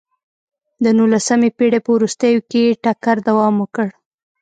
د نولسمې پېړۍ په وروستیو کې ټکر دوام وکړ.